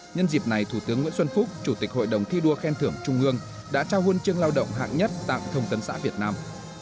nhân dịp này thủ tướng nguyễn xuân phúc chủ tịch hội đồng thi đua khen thưởng trung ương đã trao huân chương lao động hạng nhất tặng thông tấn xã việt nam